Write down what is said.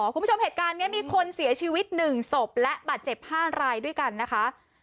คุณผู้ชมเหตุการณ์นี้มีคนเสียชีวิต๑ศพและบาดเจ็บ๕รายด้วยกันนะคะ